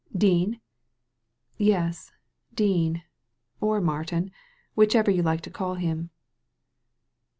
Dean?" "Yes, Dean or Martin — ^whichever you like to call him."